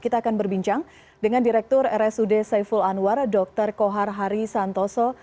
kita akan berbincang dengan direktur rsud saiful anwar dr kohar hari santoso